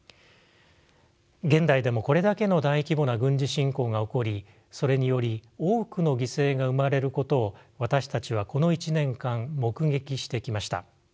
現代でもこれだけの大規模な軍事侵攻が起こりそれにより多くの犠牲が生まれることを私たちはこの１年間目撃してきました。